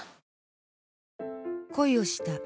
恋をした。